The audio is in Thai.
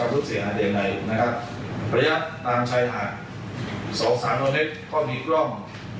ที่จะสอบปากคำผู้เสียหายให้เกิดความเช็คเอง